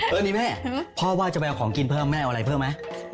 เออนี่แม่พ่อว่าจะไปเอาของกินเพิ่มแม่เอาอะไรเพิ่มไหม